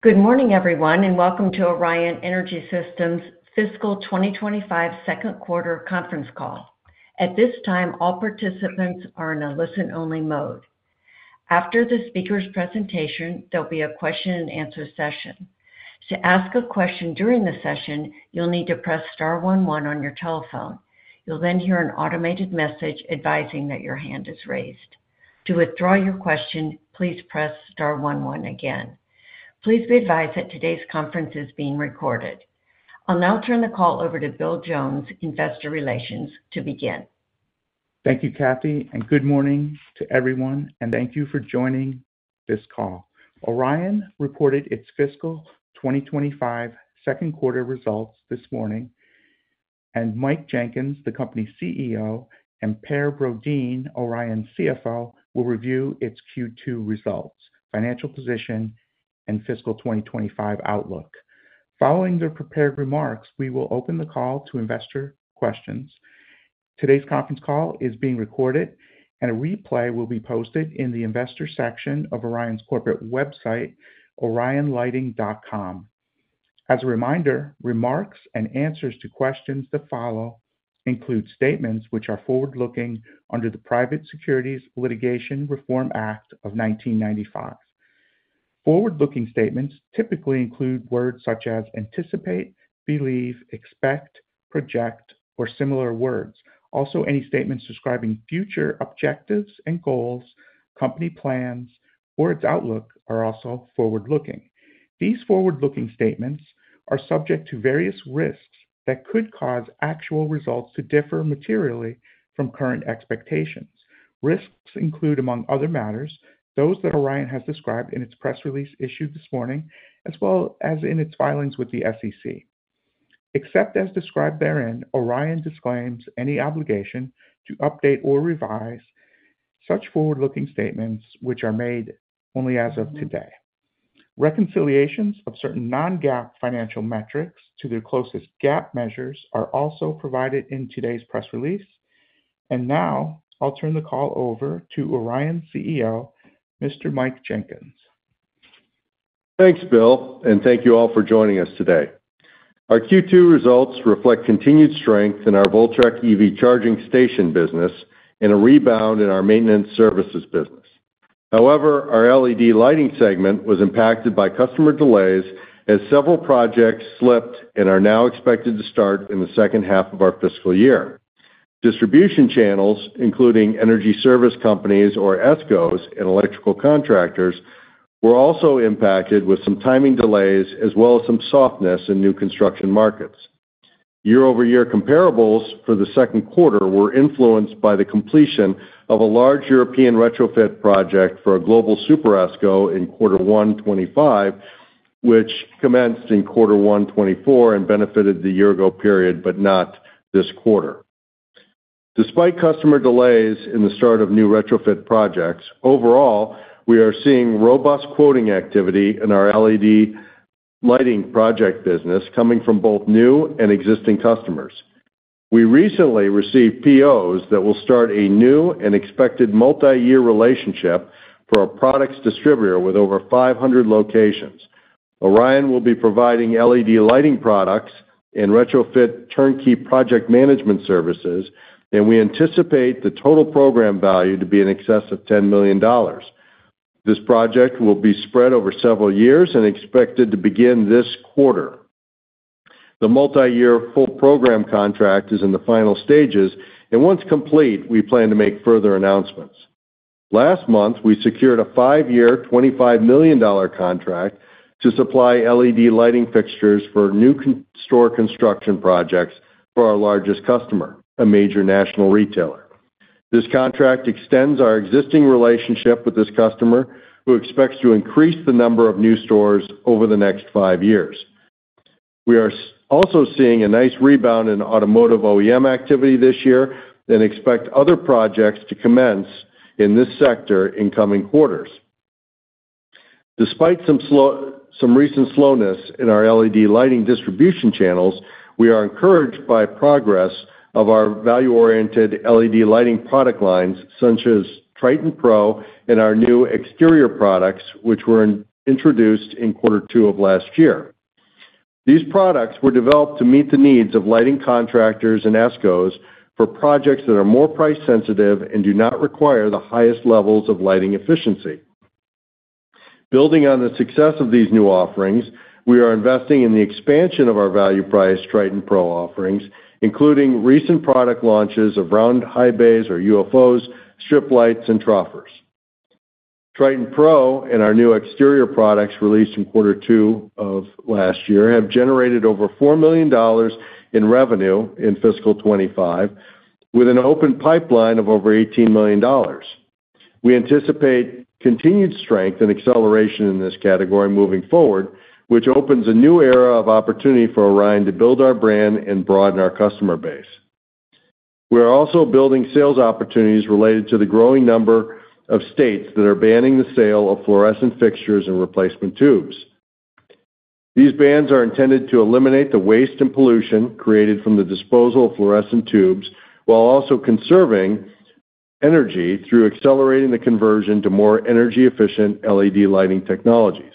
Good morning, everyone, and welcome to Orion Energy Systems' fiscal 2025 second quarter conference call. At this time, all participants are in a listen-only mode. After the speaker's presentation, there'll be a question-and-answer session. To ask a question during the session, you'll need to press star one one on your telephone. You'll then hear an automated message advising that your hand is raised. To withdraw your question, please press star one one again. Please be advised that today's conference is being recorded. I'll now turn the call over to Bill Jones, Investor Relations, to begin. Thank you, Kathy, and good morning to everyone, and thank you for joining this call. Orion reported its fiscal 2025 second quarter results this morning, and Mike Jenkins, the Company CEO, and Per Brodin, Orion CFO, will review its Q2 results, financial position, and fiscal 2025 outlook. Following their prepared remarks, we will open the call to investor questions. Today's conference call is being recorded, and a replay will be posted in the investor section of Orion's corporate website, orionlighting.com. As a reminder, remarks and answers to questions that follow include statements which are forward-looking under the Private Securities Litigation Reform Act of 1995. Forward-looking statements typically include words such as anticipate, believe, expect, project, or similar words. Also, any statements describing future objectives and goals, company plans, or its outlook are also forward-looking. These forward-looking statements are subject to various risks that could cause actual results to differ materially from current expectations. Risks include, among other matters, those that Orion has described in its press release issued this morning, as well as in its filings with the SEC. Except as described therein, Orion disclaims any obligation to update or revise such forward-looking statements which are made only as of today. Reconciliations of certain non-GAAP financial metrics to their closest GAAP measures are also provided in today's press release. And now, I'll turn the call over to Orion CEO, Mr. Mike Jenkins. Thanks, Bill, and thank you all for joining us today. Our Q2 results reflect continued strength in our Voltrek EV charging station business and a rebound in our maintenance services business. However, our LED lighting segment was impacted by customer delays as several projects slipped and are now expected to start in the second half of our fiscal year. Distribution channels, including energy service companies or ESCOs and electrical contractors, were also impacted with some timing delays as well as some softness in new construction markets. Year-over-year comparables for the second quarter were influenced by the completion of a large European retrofit project for a global Super ESCO in quarter one 2025, which commenced in quarter one 2024 and benefited the year-ago period but not this quarter. Despite customer delays in the start of new retrofit projects, overall, we are seeing robust quoting activity in our LED lighting project business coming from both new and existing customers. We recently received POs that will start a new and expected multi-year relationship for a products distributor with over 500 locations. Orion will be providing LED lighting products and retrofit turnkey project management services, and we anticipate the total program value to be in excess of $10 million. This project will be spread over several years and expected to begin this quarter. The multi-year full program contract is in the final stages, and once complete, we plan to make further announcements. Last month, we secured a five-year, $25 million contract to supply LED lighting fixtures for new store construction projects for our largest customer, a major national retailer. This contract extends our existing relationship with this customer, who expects to increase the number of new stores over the next five years. We are also seeing a nice rebound in automotive OEM activity this year and expect other projects to commence in this sector in coming quarters. Despite some recent slowness in our LED lighting distribution channels, we are encouraged by progress of our value-oriented LED lighting product lines such as Triton Pro and our new exterior products, which were introduced in quarter two of last year. These products were developed to meet the needs of lighting contractors and ESCOs for projects that are more price-sensitive and do not require the highest levels of lighting efficiency. Building on the success of these new offerings, we are investing in the expansion of our value-priced Triton Pro offerings, including recent product launches of round high bays or UFOs, strip lights, and troffers. Triton Pro and our new exterior products released in quarter two of last year have generated over $4 million in revenue in fiscal 2025, with an open pipeline of over $18 million. We anticipate continued strength and acceleration in this category moving forward, which opens a new era of opportunity for Orion to build our brand and broaden our customer base. We are also building sales opportunities related to the growing number of states that are banning the sale of fluorescent fixtures and replacement tubes. These bans are intended to eliminate the waste and pollution created from the disposal of fluorescent tubes while also conserving energy through accelerating the conversion to more energy-efficient LED lighting technologies.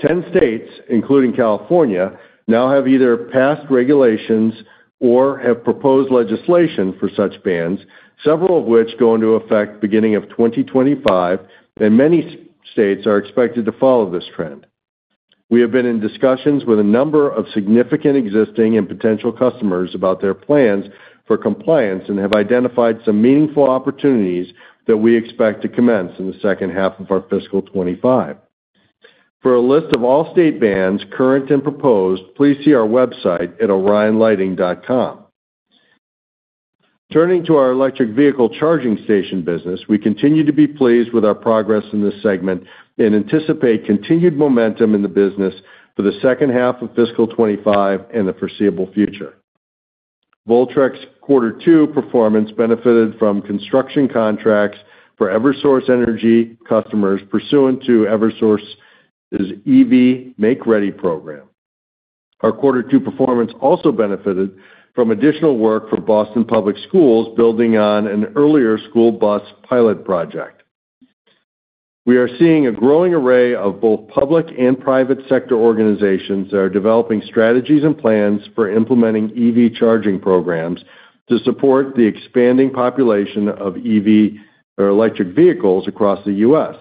Ten states, including California, now have either passed regulations or have proposed legislation for such bans, several of which go into effect beginning of 2025, and many states are expected to follow this trend. We have been in discussions with a number of significant existing and potential customers about their plans for compliance and have identified some meaningful opportunities that we expect to commence in the second half of our fiscal 2025. For a list of all state bans, current and proposed, please see our website at orionlighting.com. Turning to our electric vehicle charging station business, we continue to be pleased with our progress in this segment and anticipate continued momentum in the business for the second half of fiscal 2025 and the foreseeable future. Voltrek's quarter two performance benefited from construction contracts for Eversource Energy customers pursuant to Eversource's EV Make Ready program. Our quarter two performance also benefited from additional work for Boston Public Schools building on an earlier school bus pilot project. We are seeing a growing array of both public and private sector organizations that are developing strategies and plans for implementing EV charging programs to support the expanding population of EV or electric vehicles across the U.S.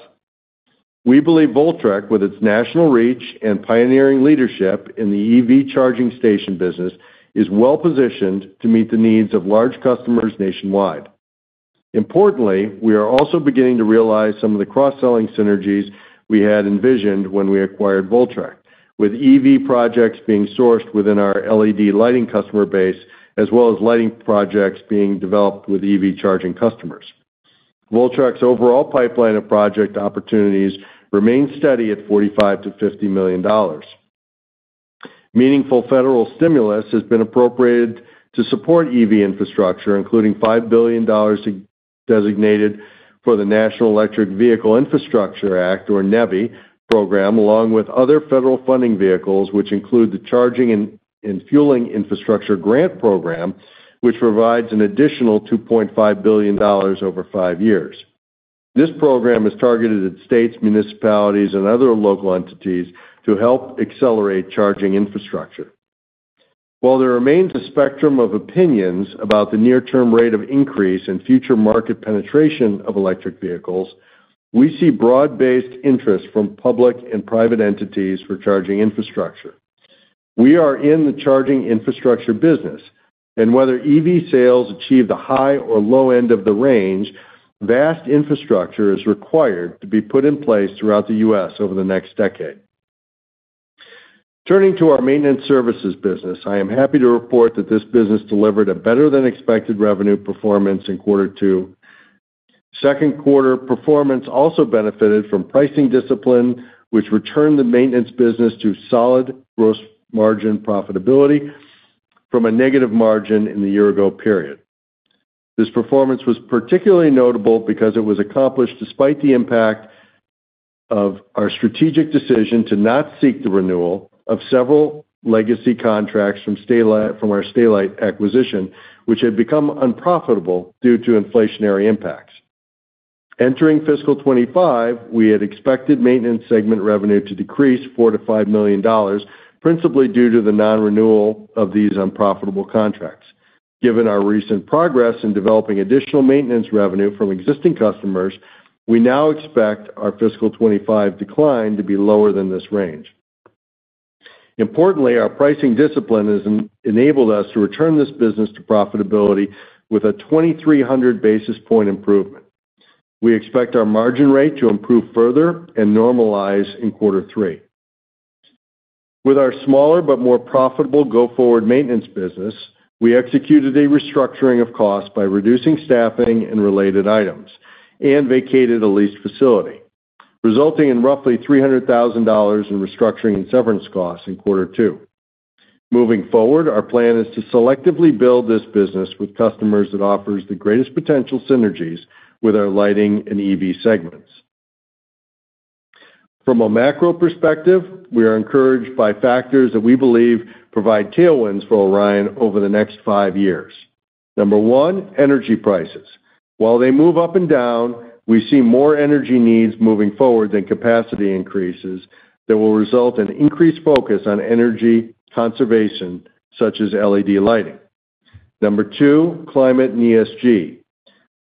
We believe Voltrek, with its national reach and pioneering leadership in the EV charging station business, is well-positioned to meet the needs of large customers nationwide. Importantly, we are also beginning to realize some of the cross-selling synergies we had envisioned when we acquired Voltrek, with EV projects being sourced within our LED lighting customer base as well as lighting projects being developed with EV charging customers. Voltrek's overall pipeline of project opportunities remains steady at $45 million-$50 million. Meaningful federal stimulus has been appropriated to support EV infrastructure, including $5 billion designated for the National Electric Vehicle Infrastructure Act, or NEVI, program, along with other federal funding vehicles, which include the Charging and Fueling Infrastructure Grant Program, which provides an additional $2.5 billion over five years. This program is targeted at states, municipalities, and other local entities to help accelerate charging infrastructure. While there remains a spectrum of opinions about the near-term rate of increase and future market penetration of electric vehicles, we see broad-based interest from public and private entities for charging infrastructure. We are in the charging infrastructure business, and whether EV sales achieve the high or low end of the range, vast infrastructure is required to be put in place throughout the U.S. over the next decade. Turning to our maintenance services business, I am happy to report that this business delivered a better-than-expected revenue performance in quarter two. Second quarter performance also benefited from pricing discipline, which returned the maintenance business to solid gross margin profitability from a negative margin in the year-ago period. This performance was particularly notable because it was accomplished despite the impact of our strategic decision to not seek the renewal of several legacy contracts from our Stay-Lite acquisition, which had become unprofitable due to inflationary impacts. Entering fiscal 2025, we had expected maintenance segment revenue to decrease $4 million-$5 million, principally due to the non-renewal of these unprofitable contracts. Given our recent progress in developing additional maintenance revenue from existing customers, we now expect our fiscal 2025 decline to be lower than this range. Importantly, our pricing discipline has enabled us to return this business to profitability with a 2,300 basis point improvement. We expect our margin rate to improve further and normalize in quarter three. With our smaller but more profitable go-forward maintenance business, we executed a restructuring of costs by reducing staffing and related items and vacated a leased facility, resulting in roughly $300,000 in restructuring and severance costs in quarter two. Moving forward, our plan is to selectively build this business with customers that offer the greatest potential synergies with our lighting and EV segments. From a macro perspective, we are encouraged by factors that we believe provide tailwinds for Orion over the next five years. Number one, energy prices. While they move up and down, we see more energy needs moving forward than capacity increases that will result in increased focus on energy conservation, such as LED lighting. Number two, climate and ESG.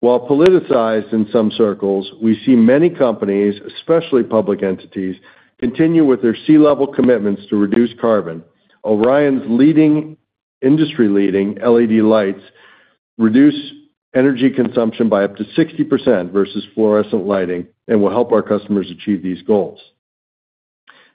While politicized in some circles, we see many companies, especially public entities, continue with their C-level commitments to reduce carbon. Orion's industry-leading LED lights reduce energy consumption by up to 60% versus fluorescent lighting and will help our customers achieve these goals.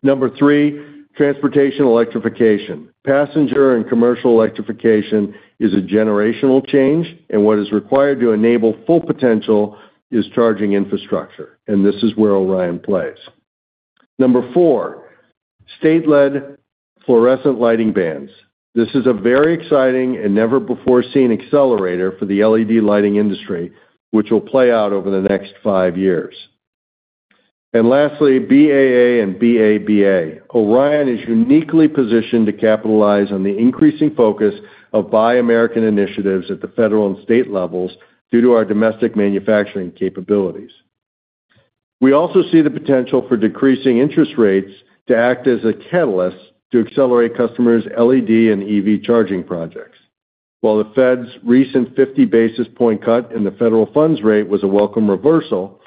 Number three, transportation electrification. Passenger and commercial electrification is a generational change, and what is required to enable full potential is charging infrastructure, and this is where Orion plays. Number four, state-led fluorescent lighting bans. This is a very exciting and never-before-seen accelerator for the LED lighting industry, which will play out over the next five years. And lastly, BAA and BABA. Orion is uniquely positioned to capitalize on the increasing focus of Buy American initiatives at the federal and state levels due to our domestic manufacturing capabilities. We also see the potential for decreasing interest rates to act as a catalyst to accelerate customers' LED and EV charging projects. While the Fed's recent 50 basis point cut in the federal funds rate was a welcome reversal,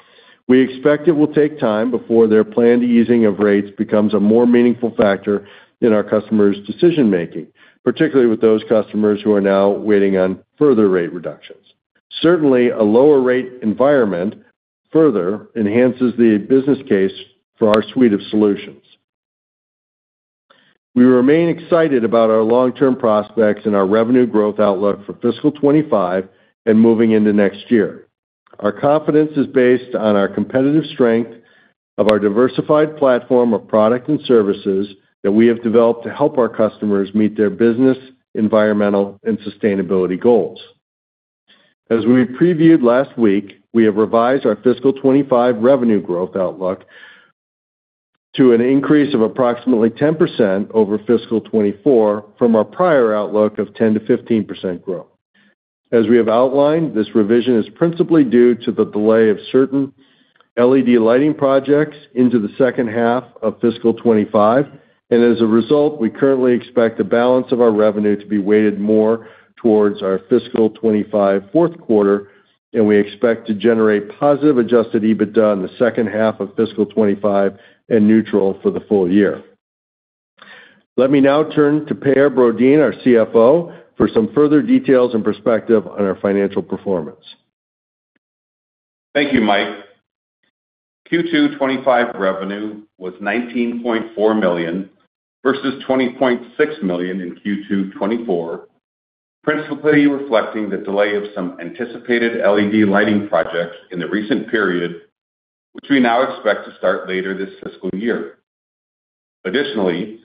we expect it will take time before their planned easing of rates becomes a more meaningful factor in our customers' decision-making, particularly with those customers who are now waiting on further rate reductions. Certainly, a lower-rate environment further enhances the business case for our suite of solutions. We remain excited about our long-term prospects and our revenue growth outlook for fiscal 25 and moving into next year. Our confidence is based on our competitive strength of our diversified platform of products and services that we have developed to help our customers meet their business, environmental, and sustainability goals. As we previewed last week, we have revised our fiscal 2025 revenue growth outlook to an increase of approximately 10% over fiscal 2024 from our prior outlook of 10%-15% growth. As we have outlined, this revision is principally due to the delay of certain LED lighting projects into the second half of fiscal 2025, and as a result, we currently expect the balance of our revenue to be weighted more towards our fiscal 2025 fourth quarter, and we expect to generate positive Adjusted EBITDA in the second half of fiscal 2025 and neutral for the full year. Let me now turn to Per Brodin, our CFO, for some further details and perspective on our financial performance. Thank you, Mike. Q2 2025 revenue was $19.4 million versus $20.6 million in Q2 2024, principally reflecting the delay of some anticipated LED lighting projects in the recent period, which we now expect to start later this fiscal year. Additionally,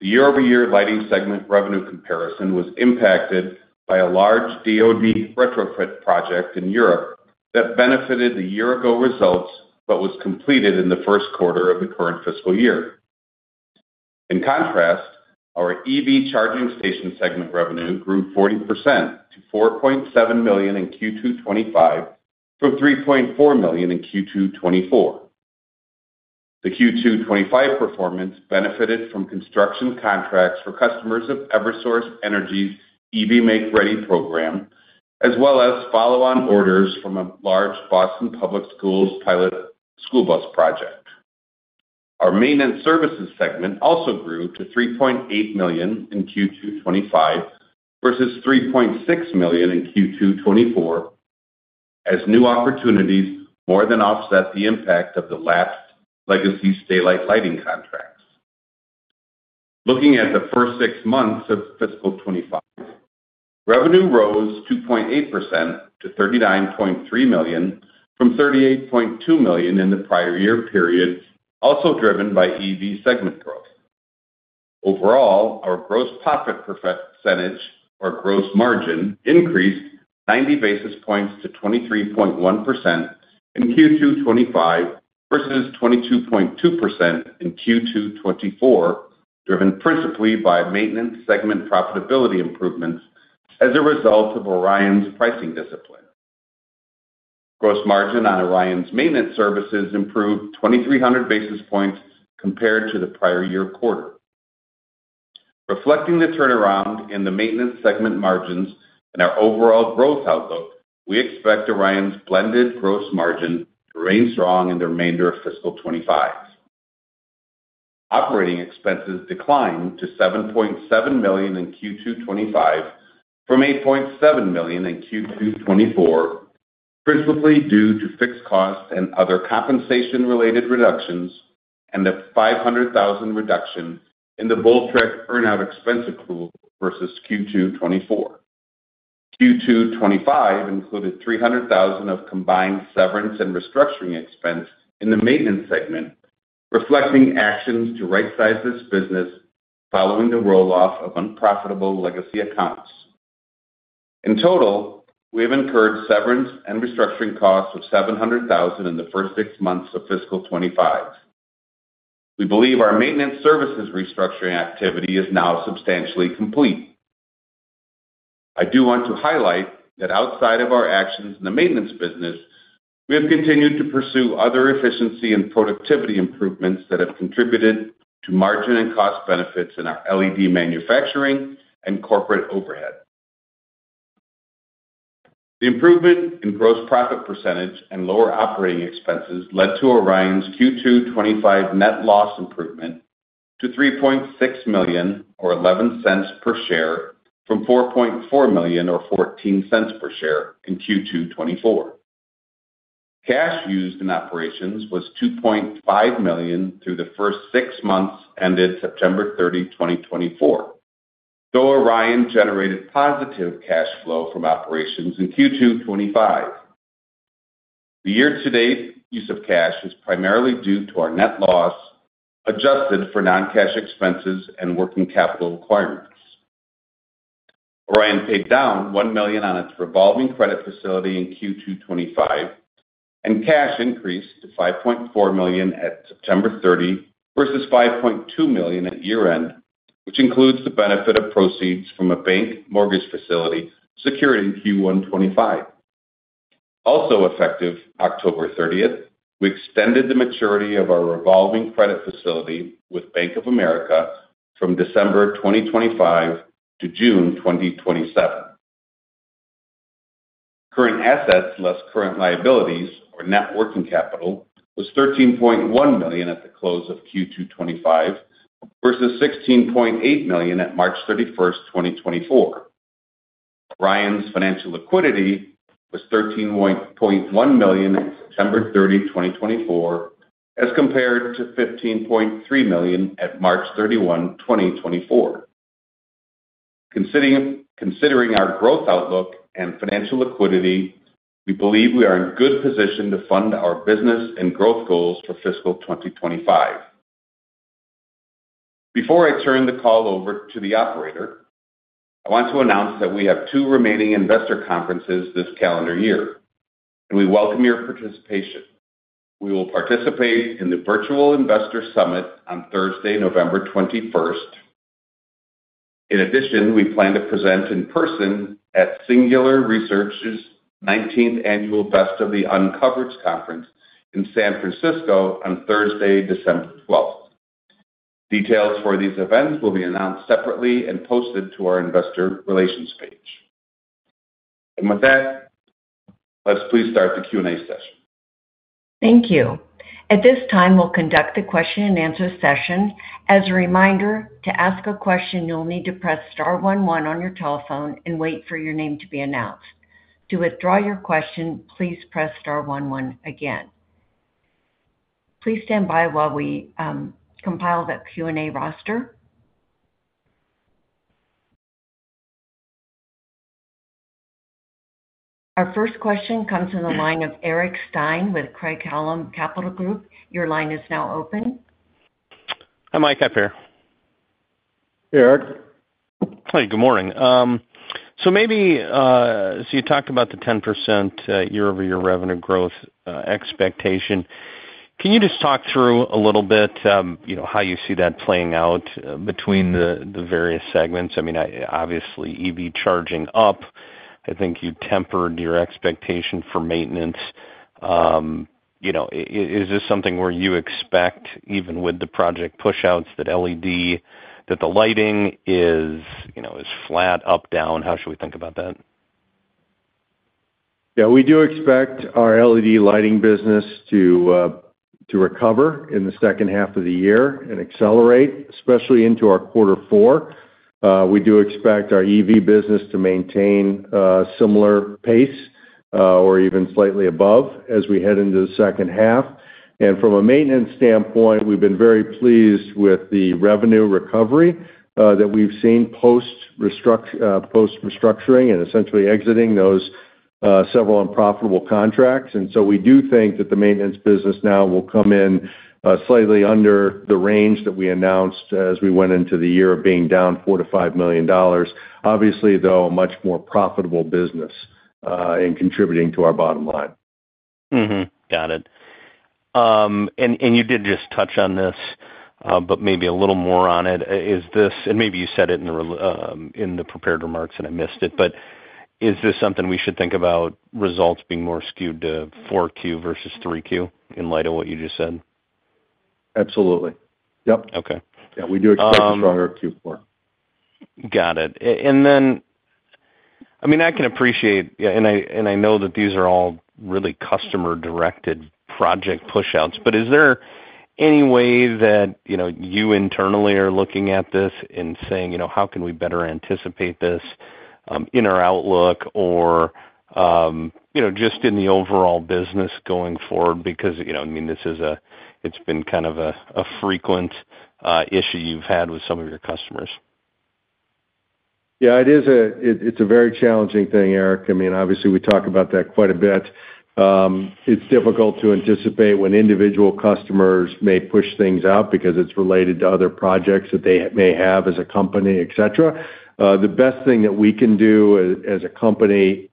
the year-over-year lighting segment revenue comparison was impacted by a large DOD retrofit project in Europe that benefited the year-ago results but was completed in the first quarter of the current fiscal year. In contrast, our EV charging station segment revenue grew 40% to $4.7 million in Q2 2025 from $3.4 million in Q2 2024. The Q2 2025 performance benefited from construction contracts for customers of Eversource Energy's EV Make Ready program, as well as follow-on orders from a large Boston Public Schools pilot school bus project. Our maintenance services segment also grew to $3.8 million in Q2 2025 versus $3.6 million in Q2 2024, as new opportunities more than offset the impact of the last legacy Stay-Lite lighting contracts. Looking at the first six months of fiscal 2025, revenue rose 2.8% to $39.3 million from $38.2 million in the prior year period, also driven by EV segment growth. Overall, our gross profit percentage, or gross margin, increased 90 basis points to 23.1% in Q2 2025 versus 22.2% in Q2 2024, driven principally by maintenance segment profitability improvements as a result of Orion's pricing discipline. Gross margin on Orion's maintenance services improved 2,300 basis points compared to the prior year quarter. Reflecting the turnaround in the maintenance segment margins and our overall growth outlook, we expect Orion's blended gross margin to remain strong in the remainder of fiscal 2025. Operating expenses declined to $7.7 million in Q2 2025 from $8.7 million in Q2 2024, principally due to fixed costs and other compensation-related reductions and a $500,000 reduction in the Voltrek earn-out expense accrual versus Q2 2024. Q2 2025 included $300,000 of combined severance and restructuring expense in the maintenance segment, reflecting actions to right-size this business following the roll-off of unprofitable legacy accounts. In total, we have incurred severance and restructuring costs of $700,000 in the first six months of fiscal 2025. We believe our maintenance services restructuring activity is now substantially complete. I do want to highlight that outside of our actions in the maintenance business, we have continued to pursue other efficiency and productivity improvements that have contributed to margin and cost benefits in our LED manufacturing and corporate overhead. The improvement in gross profit percentage and lower operating expenses led to Orion's Q2 2025 net loss improvement to $3.6 million, or $0.11 per share, from $4.4 million, or $0.14 per share, in Q2 2024. Cash used in operations was $2.5 million through the first six months ended September 30, 2024, though Orion generated positive cash flow from operations in Q2 2025. The year-to-date use of cash is primarily due to our net loss adjusted for non-cash expenses and working capital requirements. Orion paid down $1 million on its revolving credit facility in Q2 2025, and cash increased to $5.4 million at September 30 versus $5.2 million at year-end, which includes the benefit of proceeds from a bank mortgage facility secured in Q1 25. Also effective October 30, we extended the maturity of our revolving credit facility with Bank of America from December 2025 to June 2027. Current assets less current liabilities, or net working capital, was $13.1 million at the close of Q2 2025 versus $16.8 million at March 31, 2024. Orion's financial liquidity was $13.1 million at September 30, 2024, as compared to $15.3 million at March 31, 2024. Considering our growth outlook and financial liquidity, we believe we are in a good position to fund our business and growth goals for fiscal 2025. Before I turn the call over to the operator, I want to announce that we have two remaining investor conferences this calendar year, and we welcome your participation. We will participate in the Virtual Investor Summit on Thursday, November 21. In addition, we plan to present in person at Singular Research's 19th Annual Best of the Uncovered Conference in San Francisco on Thursday, December 12. Details for these events will be announced separately and posted to our Investor Relations page. With that, let's please start the Q&A session. Thank you. At this time, we'll conduct the question-and-answer session. As a reminder, to ask a question, you'll need to press star 11 on your telephone and wait for your name to be announced. To withdraw your question, please press star 11 again. Please stand by while we compile the Q&A roster. Our first question comes in the line of Eric Stine with Craig-Hallum Capital Group. Your line is now open. Hi, Mike. Hey Eric. Hi. Good morning. So you talked about the 10% year-over-year revenue growth expectation. Can you just talk through a little bit how you see that playing out between the various segments? I mean, obviously, EV charging up, I think you tempered your expectation for maintenance. Is this something where you expect, even with the project push-outs, that the lighting is flat, up, down? How should we think about that? Yeah. We do expect our LED lighting business to recover in the second half of the year and accelerate, especially into our quarter four. We do expect our EV business to maintain a similar pace or even slightly above as we head into the second half. And from a maintenance standpoint, we've been very pleased with the revenue recovery that we've seen post-restructuring and essentially exiting those several unprofitable contracts. And so we do think that the maintenance business now will come in slightly under the range that we announced as we went into the year of being down $4 million-$5 million, obviously, though a much more profitable business in contributing to our bottom line. Got it. And you did just touch on this, but maybe a little more on it. And maybe you said it in the prepared remarks, and I missed it, but is this something we should think about results being more skewed to 4Q versus 3Q in light of what you just said? Absolutely. Yep. Yeah. We do expect to draw out Q4. Got it. And then, I mean, I can appreciate, and I know that these are all really customer-directed project push-outs, but is there any way that you internally are looking at this and saying, how can we better anticipate this in our outlook or just in the overall business going forward? Because, I mean, this has been kind of a frequent issue you've had with some of your customers. Yeah. It's a very challenging thing, Eric. I mean, obviously, we talk about that quite a bit. It's difficult to anticipate when individual customers may push things out because it's related to other projects that they may have as a company, etc. The best thing that we can do as a company,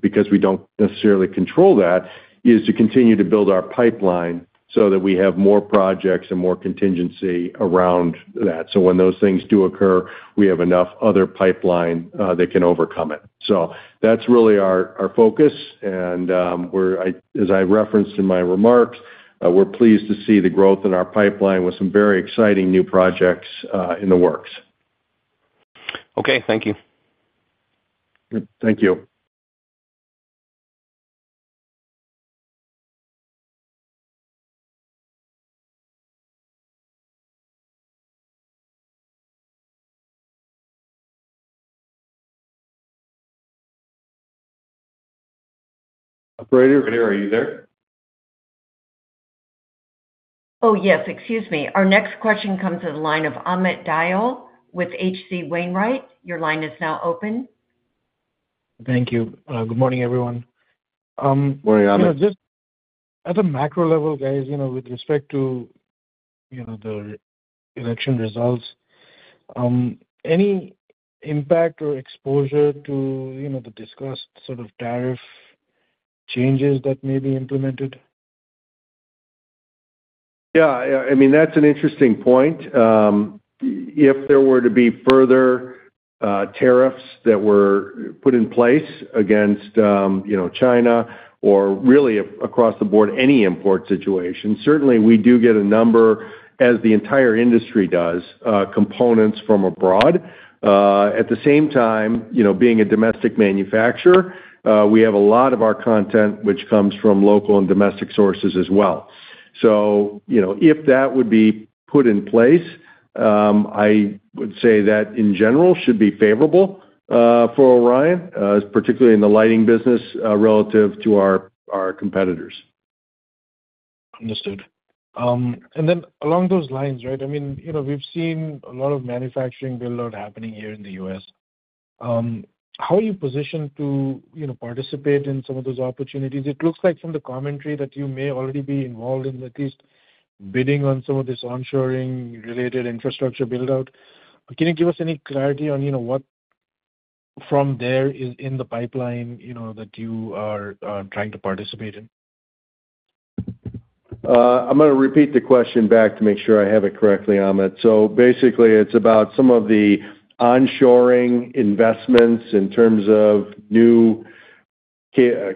because we don't necessarily control that, is to continue to build our pipeline so that we have more projects and more contingency around that. So when those things do occur, we have enough other pipeline that can overcome it. So that's really our focus. And as I referenced in my remarks, we're pleased to see the growth in our pipeline with some very exciting new projects in the works. Okay. Thank you. Thank you. Operator, are you there? Oh, yes. Excuse me. Our next question comes in the line of Amit Dayal with HC Wainwright. Your line is now open. Thank you. Good morning, everyone. Morning, Amit. Just at a macro level, guys, with respect to the election results, any impact or exposure to the discussed sort of tariff changes that may be implemented? Yeah. I mean, that's an interesting point. If there were to be further tariffs that were put in place against China or really across the board, any import situation, certainly we do get a number, as the entire industry does, components from abroad. At the same time, being a domestic manufacturer, we have a lot of our content which comes from local and domestic sources as well. So if that would be put in place, I would say that, in general, should be favorable for Orion, particularly in the lighting business relative to our competitors. Understood, and then along those lines, right, I mean, we've seen a lot of manufacturing build-out happening here in the U.S. How are you positioned to participate in some of those opportunities? It looks like from the commentary that you may already be involved in at least bidding on some of this onshoring-related infrastructure build-out. Can you give us any clarity on what from there is in the pipeline that you are trying to participate in? I'm going to repeat the question back to make sure I have it correctly, Amit. So basically, it's about some of the onshoring investments in terms of new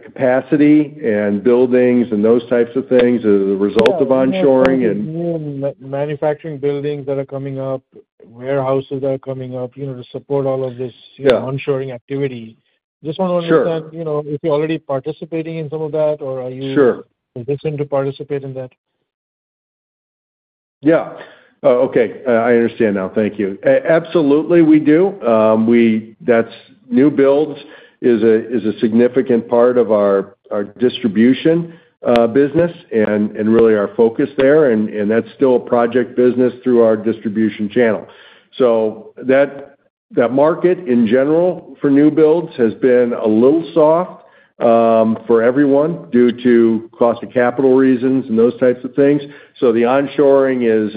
capacity and buildings and those types of things as a result of onshoring and manufacturing buildings that are coming up, warehouses that are coming up to support all of this onshoring activity. Just want to understand if you're already participating in some of that, or are you looking to participate in that? Yeah. Oh, okay. I understand now. Thank you. Absolutely, we do. New builds is a significant part of our distribution business and really our focus there, and that's still a project business through our distribution channel. So that market, in general, for new builds has been a little soft for everyone due to cost of capital reasons and those types of things. So the onshoring is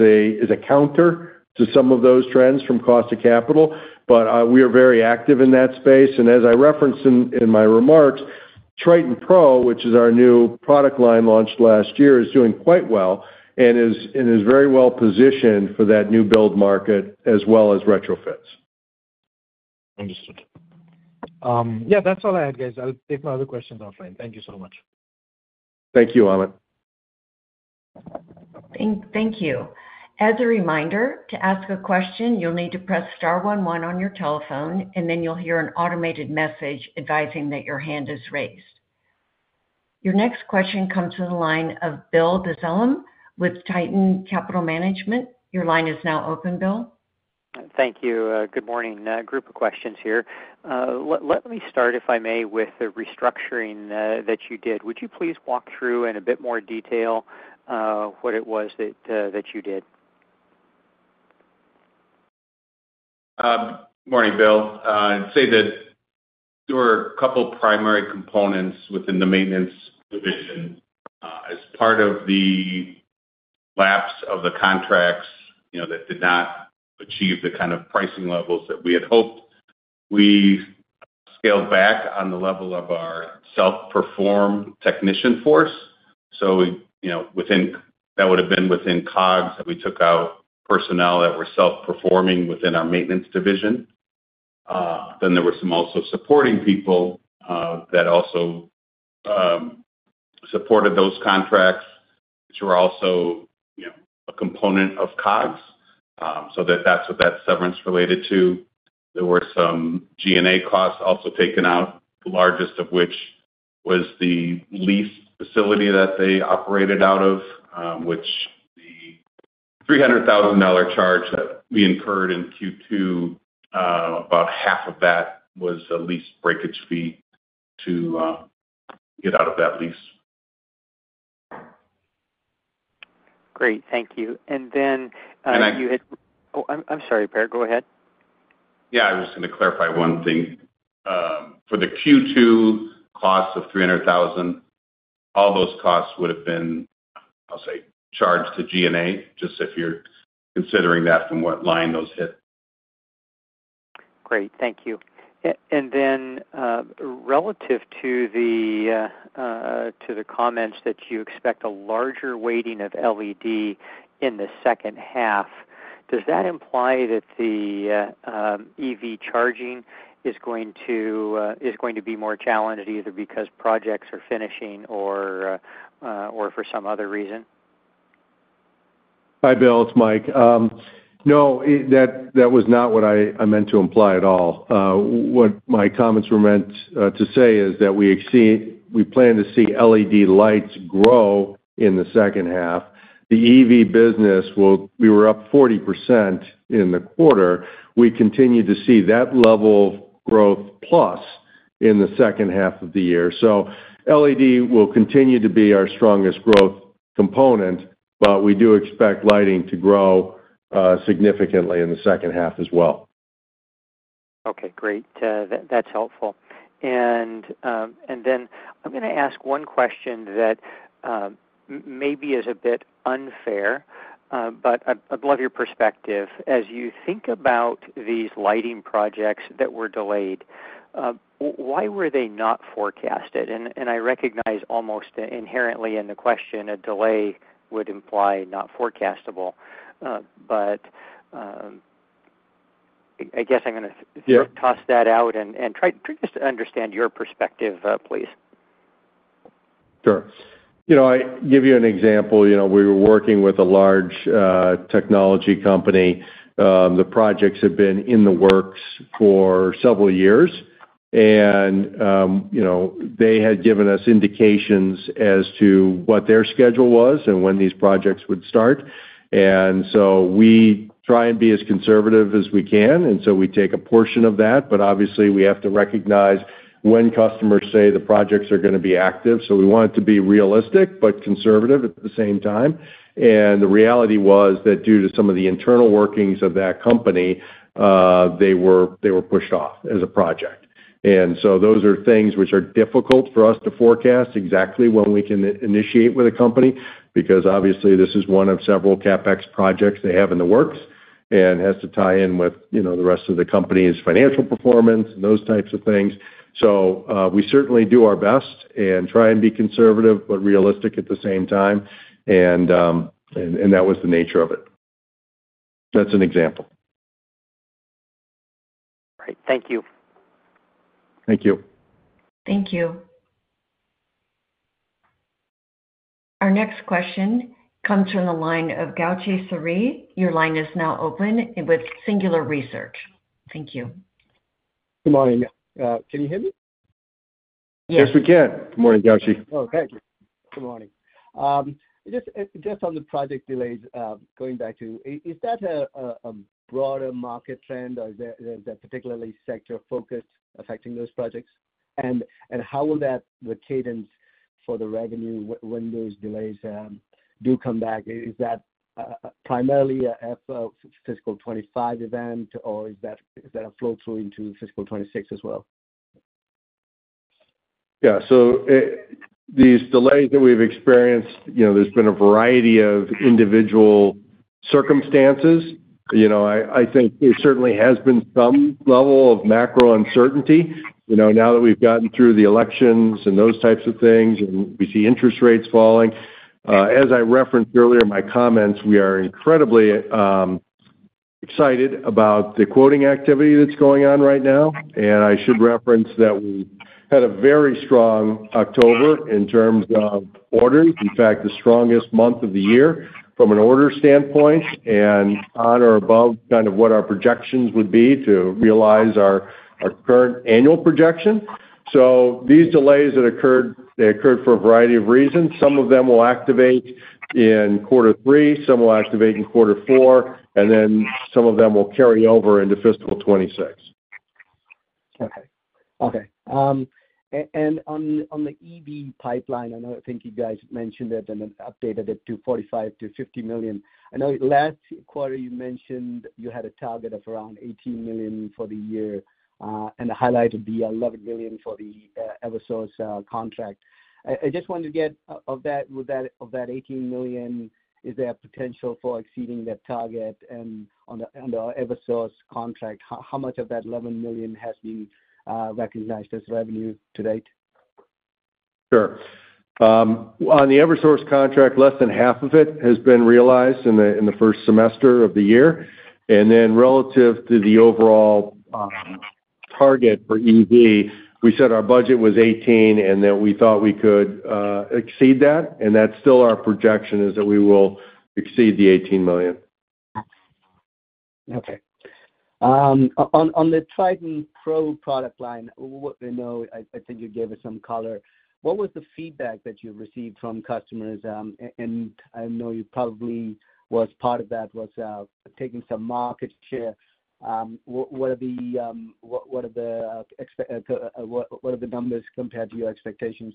a counter to some of those trends from cost of capital, but we are very active in that space. And as I referenced in my remarks, Triton Pro, which is our new product line launched last year, is doing quite well and is very well positioned for that new build market as well as retrofits. Understood. Yeah. That's all I had, guys. I'll take my other questions offline. Thank you so much. Thank you, Amit. Thank you. As a reminder, to ask a question, you'll need to press star 11 on your telephone, and then you'll hear an automated message advising that your hand is raised. Your next question comes in the line of Bill Dezellem with Tieton Capital Management. Your line is now open, Bill. Thank you. Good morning. Group of questions here. Let me start, if I may, with the restructuring that you did. Would you please walk through, in a bit more detail, what it was that you did? Morning, Bill. I'd say that there were a couple of primary components within the maintenance division. As part of the lapse of the contracts that did not achieve the kind of pricing levels that we had hoped, we scaled back on the level of our self-perform technician force. So that would have been within COGS that we took out personnel that were self-performing within our maintenance division. Then there were some also supporting people that also supported those contracts, which were also a component of COGS. So that's what that severance related to. There were some G&A costs also taken out, the largest of which was the lease facility that they operated out of, which the $300,000 charge that we incurred in Q2, about half of that was a lease breakage fee to get out of that lease. Great. Thank you. And then you had, oh, I'm sorry, Per. Go ahead. Yeah. I was just going to clarify one thing. For the Q2 cost of $300,000, all those costs would have been, I'll say, charged to G&A, just if you're considering that from what line those hit. Great. Thank you. And then relative to the comments that you expect a larger weighting of LED in the second half, does that imply that the EV charging is going to be more challenged either because projects are finishing or for some other reason? Hi, Bill. It's Mike. No, that was not what I meant to imply at all. What my comments were meant to say is that we plan to see LED lights grow in the second half. The EV business, we were up 40% in the quarter. We continue to see that level of growth plus in the second half of the year. So LED will continue to be our strongest growth component, but we do expect lighting to grow significantly in the second half as well. Okay. Great. That's helpful. And then I'm going to ask one question that maybe is a bit unfair, but I'd love your perspective. As you think about these lighting projects that were delayed, why were they not forecasted? And I recognize almost inherently in the question, a delay would imply not forecastable. But I guess I'm going to toss that out and try just to understand your perspective, please. Sure. I'll give you an example. We were working with a large technology company. The projects had been in the works for several years, and they had given us indications as to what their schedule was and when these projects would start. And so we try and be as conservative as we can. And so we take a portion of that. But obviously, we have to recognize when customers say the projects are going to be active. So we want it to be realistic but conservative at the same time. And the reality was that due to some of the internal workings of that company, they were pushed off as a project. And so those are things which are difficult for us to forecast exactly when we can initiate with a company because, obviously, this is one of several CapEx projects they have in the works and has to tie in with the rest of the company's financial performance and those types of things. So we certainly do our best and try and be conservative but realistic at the same time. And that was the nature of it. That's an example. All right. Thank you. Thank you. Thank you. Our next question comes from the line of George Melas. Your line is now open with Singular Research. Thank you. Good morning. Can you hear me? Yes. Yes, we can Good morning, George Melas. Oh, thank you. Good morning. Just on the project delays, going back to, is that a broader market trend, or is that particularly sector-focused affecting those projects? And how will that, the cadence for the revenue when those delays do come back? Is that primarily a fiscal 2025 event, or is that a flow through into fiscal 2026 as well? Yeah. So these delays that we've experienced, there's been a variety of individual circumstances. I think there certainly has been some level of macro uncertainty now that we've gotten through the elections and those types of things, and we see interest rates falling. As I referenced earlier in my comments, we are incredibly excited about the quoting activity that's going on right now. I should reference that we had a very strong October in terms of orders, in fact, the strongest month of the year from an order standpoint and on or above kind of what our projections would be to realize our current annual projection. These delays that occurred, they occurred for a variety of reasons. Some of them will activate in quarter three. Some will activate in quarter four. And then some of them will carry over into fiscal 2026. Okay. Okay. And on the EV pipeline, I know I think you guys mentioned it and updated it to $45 million-$50 million. I know last quarter, you mentioned you had a target of around $18 million for the year and highlighted the $11 million for the Eversource contract. I just wanted to get out of that $18 million, is there a potential for exceeding that target? On the Eversource contract, how much of that $11 million has been recognized as revenue to date? Sure. On the Eversource contract, less than half of it has been realized in the first semester of the year. Then relative to the overall target for EV, we said our budget was $18 million, and then we thought we could exceed that. And that's still our projection is that we will exceed the $18 million. Okay. On the Triton Pro product line, I think you gave us some color. What was the feedback that you received from customers? And I know you probably was part of that was taking some market share. What are the numbers compared to your expectations?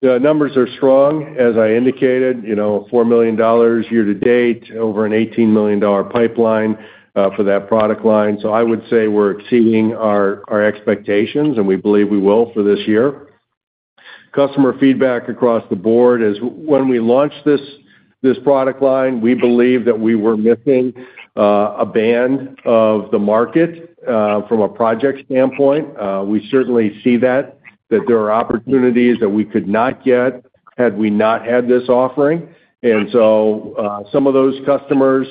The numbers are strong, as I indicated. $4 million year-to-date over an $18 million pipeline for that product line. So I would say we're exceeding our expectations, and we believe we will for this year. Customer feedback across the board is when we launched this product line, we believe that we were missing a band of the market from a project standpoint. We certainly see that there are opportunities that we could not get had we not had this offering. And so some of those customers,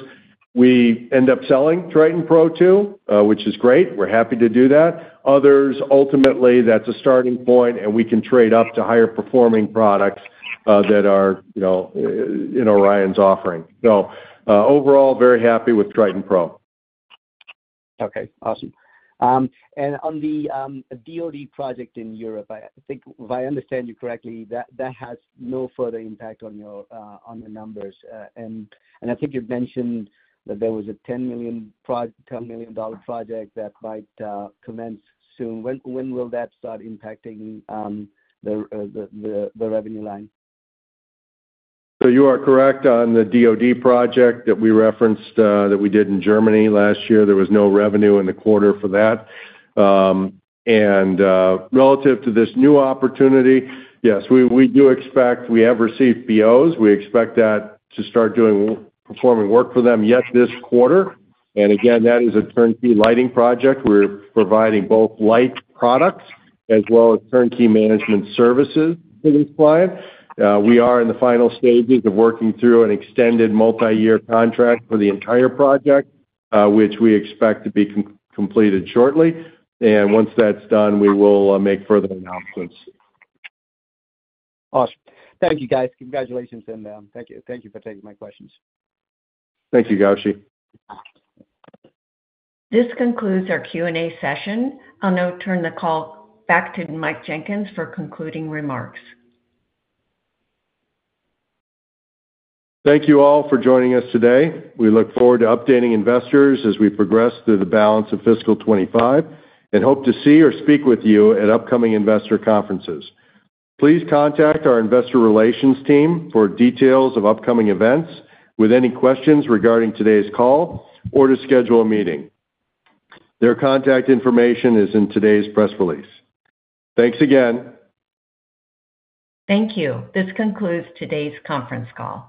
we end up selling Triton Pro too, which is great. We're happy to do that. Others, ultimately, that's a starting point, and we can trade up to higher performing products that are in Orion's offering. So overall, very happy with Triton Pro. Okay. Awesome. And on the DOD project in Europe, I think, if I understand you correctly, that has no further impact on your numbers. And I think you mentioned that there was a $10 million project that might commence soon. When will that start impacting the revenue line? So you are correct on the DOD project that we referenced that we did in Germany last year. There was no revenue in the quarter for that. And relative to this new opportunity, yes, we do expect we have received POs. We expect that to start performing work for them yet this quarter. And again, that is a turnkey lighting project. We're providing both lighting products as well as turnkey management services for this client. We are in the final stages of working through an extended multi-year contract for the entire project, which we expect to be completed shortly. And once that's done, we will make further announcements. Awesome. Thank you, guys. Congratulations. And thank you for taking my questions. Thank you, George. This concludes our Q&A session. I'll now turn the call back to Mike Jenkins for concluding remarks. Thank you all for joining us today. We look forward to updating investors as we progress through the balance of fiscal 2025 and hope to see or speak with you at upcoming investor conferences. Please contact our investor relations team for details of upcoming events, with any questions regarding today's call, or to schedule a meeting. Their contact information is in today's press release. Thanks again. Thank you. This concludes today's conference call.